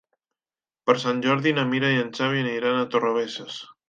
Per Sant Jordi na Mira i en Xavi aniran a Torrebesses.